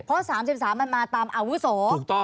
เพราะ๓๓มันมาตามอาวุโส